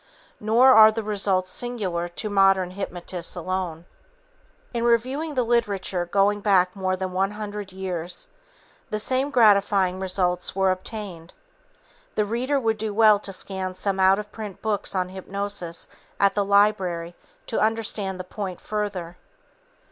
Nor are the results singular to modern hypnotists alone. In reviewing the literature going back more than 100 years, the same gratifying results were obtained. The reader would do well to scan some out of print books on hypnosis at the library to understand the point further.